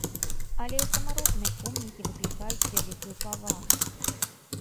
Але і самаробныя помнікі выклікаюць вялікую павагу.